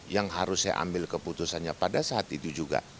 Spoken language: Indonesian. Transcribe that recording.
yang harus saya ambil keputusannya pada saat itu juga